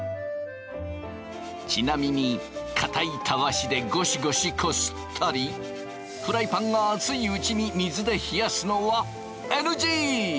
ちなみに硬いタワシでゴシゴシこすったりフライパンが熱いうちに水で冷やすのはＮＧ！